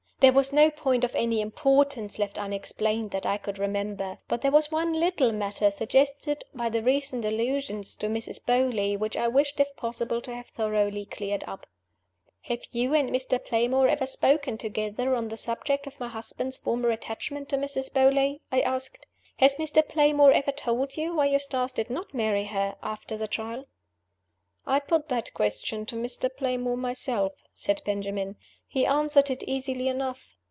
There was no point of any importance left unexplained that I could remember. But there was one little matter (suggested by the recent allusions to Mrs. Beauly) which I wished (if possible) to have thoroughly cleared up. "Have you and Mr. Playmore ever spoken together on the subject of my husband's former attachment to Mrs. Beauly?" I asked. "Has Mr. Playmore ever told you why Eustace did not marry her, after the Trial?" "I put that question to Mr. Playmore myself," said Benjamin. "He answered it easily enough.